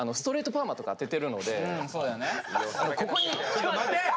ちょっと待て！